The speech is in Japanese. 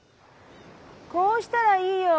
『こうしたらいいよ。